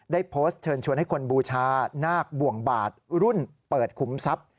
ได้โพสต์เชิญชวนให้คนบูชานาคบ่วงบาทรุ่นเปิดขุมทรัพย์